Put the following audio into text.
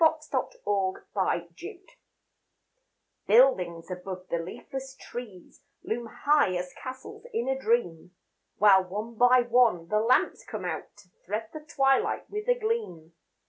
Central Park at Dusk Buildings above the leafless trees Loom high as castles in a dream, While one by one the lamps come out To thread the twilight with a gleam.